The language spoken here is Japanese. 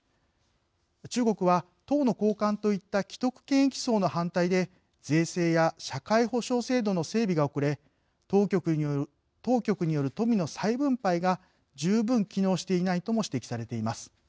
中国は、党の高官といった既得権益層の反対で税制や社会保障制度の整備が遅れ当局による富の再分配が十分機能していないとも指摘されています。